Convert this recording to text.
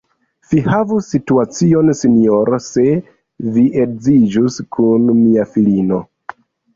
Vi havus situacion, sinjoro, se vi edziĝus kun mia filino.